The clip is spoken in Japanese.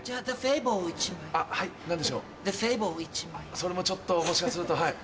それもちょっともしかすると。